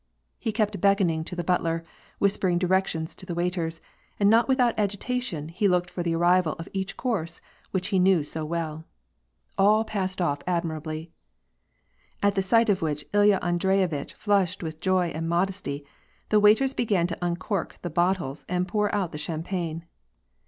He kept beckoning to the butler, whispering directions to the waiters, and not without agitation, looked for'the arrival of each course which he knew so well. All passed off admirably. At the second course, when they brought on the gigantic sterlet, at the sight of which Ilya Andreyevitch flushed with joy and modesty, the waiters began to uncork the bottles and pour out the champagne.